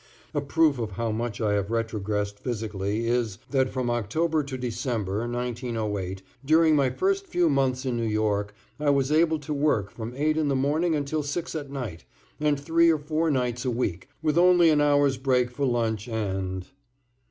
A proof of how much I have retrogressed physically is, that from October to December, 1908, during my first few months in New York, I was able to work from eight in the morning until six at night, and three or four nights a week, with only an hour's break for lunch and